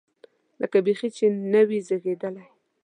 لکه بیخي چې نه وي زېږېدلی.